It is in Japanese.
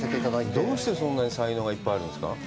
どうしてそんなに才能がいっぱいあるんですか？